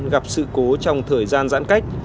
gặp sự cố trong thời gian giãn cách